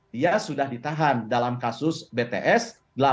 dia sudah ditahan dalam kasus bts